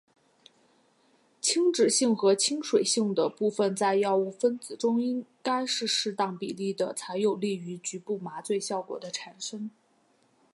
亲脂性和亲水性的部分在药物分子中应该是适当比例的才有利于局部麻醉效果的产生。